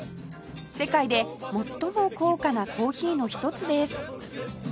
世界で最も高価なコーヒーの一つです